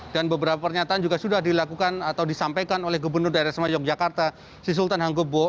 dan beberapa pernyataan juga sudah dilakukan atau disampaikan oleh gubernur daerah semayog yogyakarta si sultan hanggebo